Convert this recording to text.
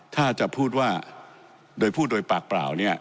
ถ้าจะพูดว่าโดยพูดโดยปากเปล่าเนี่ย